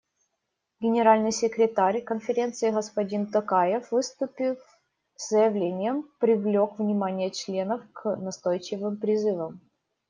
Генеральный секретарь Конференции господин Токаев, выступив с заявлением, привлек внимание членов к настойчивым призывам.